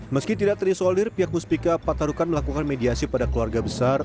meski tidak terisolir pihak muspika patarukan melakukan mediasi pada keluarga besar